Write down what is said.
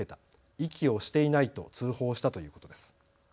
息をしていないと通報したということです。